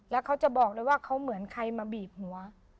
แล้วเขาจะบอกเลยว่าเขาเหมือนใครมาบีบหัว